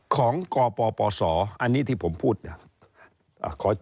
ของกปปศอันนี้ที่ผมพูดเนี่ย